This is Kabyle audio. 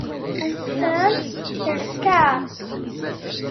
Rsen-d seg lkar.